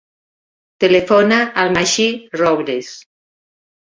Telefona al Magí Robles.